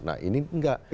nah ini tidak di indonesia